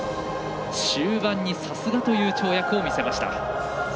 終盤にさすがという跳躍を見せました。